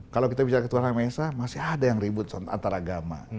kalau kita bisa ketua anak anak mesa masih ada yang ribut antaragama